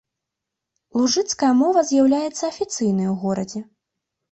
Лужыцкая мова з'яўляецца афіцыйнай у горадзе.